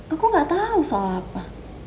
aku ga tau soal apa